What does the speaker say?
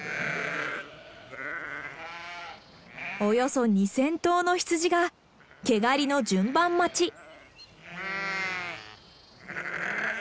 およそ２，０００頭の羊が毛刈りの順番待ち。